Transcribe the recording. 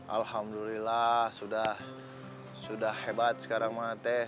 alhamdulillah sudah hebat sekarang teteh